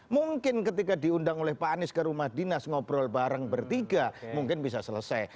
mungkin ketika diundang oleh pak anies ke rumah dinas ngobrol bareng bertiga mungkin bisa selesai